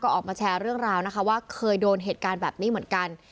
ออกมาแชร์เรื่องราวนะคะว่าเคยโดนเหตุการณ์แบบนี้เหมือนกัน